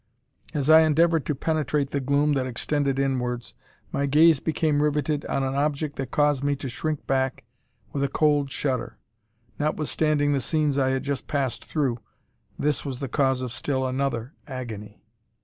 As I endeavoured to penetrate the gloom that extended inwards, my gaze became riveted on an object that caused me to shrink back with a cold shudder. Notwithstanding the scenes I had just passed through, this was the cause of still another agony.